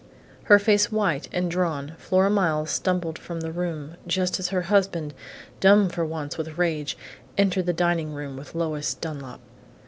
Her face white and drawn, Flora Miles stumbled from the room, just as her husband, dumb for once with rage, entered the dining room with Lois Dunlap.